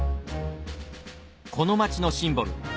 この町のシンボル